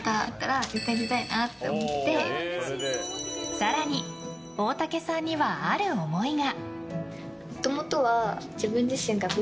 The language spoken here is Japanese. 更に、大竹さんにはある思いが。